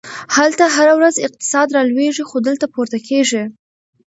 هلته هره ورځ اقتصاد رالویږي، خو دلته پورته کیږي!